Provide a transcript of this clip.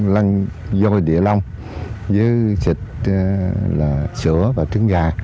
lăn dôi địa lông với sữa và trứng gà